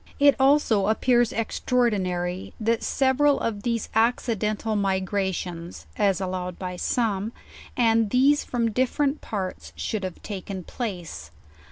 It also appears extraordinary, that several of these acci dental migrations, as allowed by some, and these from differ ent parts, should have taken place.